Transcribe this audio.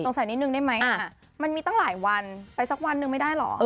ใส่นิดนึงได้ไหมมันมีตั้งหลายวันไปสักวันหนึ่งไม่ได้เหรอ